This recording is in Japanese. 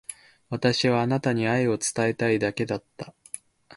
私はあなたに愛を伝えたいだけだった。